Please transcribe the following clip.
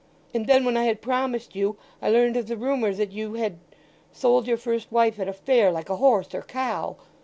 And then, when I had promised you, I learnt of the rumour that you had—sold your first wife at a fair like a horse or cow!